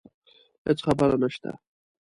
هیڅ خبره نشته